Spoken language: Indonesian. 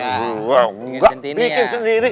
enggak bikin sendiri